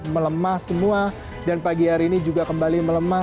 melemah semua dan pagi hari ini juga kembali melemah